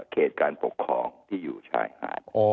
เขตการปกครองที่อยู่ชายหาด